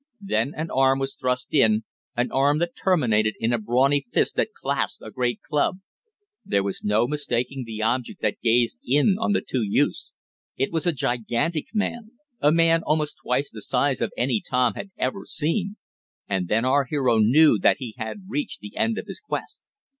Then an arm was thrust in an arm that terminated in a brawny fist that clasped a great club. There was no mistaking the object that gazed in on the two youths. It was a gigantic man a man almost twice the size of any Tom had ever seen. And then our hero knew that he had reached the end of his quest.